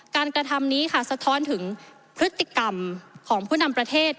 กระทำนี้ค่ะสะท้อนถึงพฤติกรรมของผู้นำประเทศ